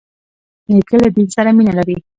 نیکه له دین سره مینه لري.